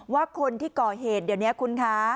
ว่าคนที่ก่อเหตุเดี๋ยวนี้คุณคะ